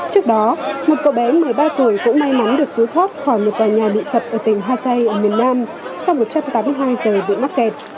trước đó một cậu bé một mươi ba tuổi cũng may mắn được cứu thoát khỏi một tòa nhà bị sập ở tỉnh hai cây ở miền nam sau một trăm tám mươi hai giờ bị mắc kẹt